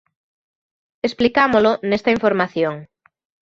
Explicámolo nesta información.